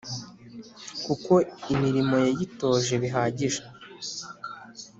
kuko imirimo yayitoje bihagije.